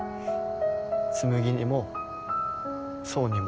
紬にも想にも」